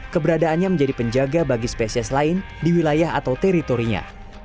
keberadaannya menjadi penjaga bagi spesies lain di wilayah atau teritorinya